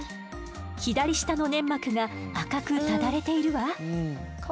左下の粘膜が赤くただれているわ。